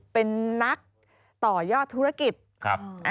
เป็นนักต่อยอดธุรกิจ